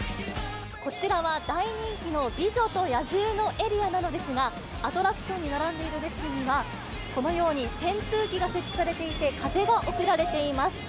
こちらは大人気の美女と野獣のエリアなのですが、アトラクションに並んでいる列には、このように扇風機が設置されていて、風が送られています。